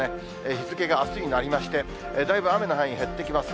日付があすになりまして、だいぶ雨の範囲、減ってきます。